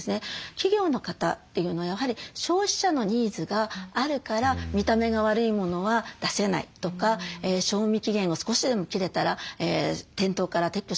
企業の方というのはやはり消費者のニーズがあるから見た目が悪いものは出せないとか賞味期限が少しでも切れたら店頭から撤去しなくちゃいけない。